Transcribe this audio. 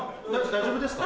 大丈夫ですか？